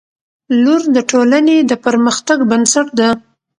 • لور د ټولنې د پرمختګ بنسټ ده.